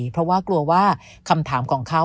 เพราะว่ากลัวว่าคำถามของเขา